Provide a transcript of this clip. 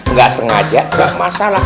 nggak sengaja nggak masalah